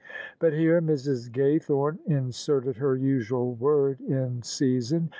But here Mrs. Gaythome inserted her usual word in season.